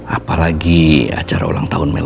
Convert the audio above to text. apalagi acara ulang tahun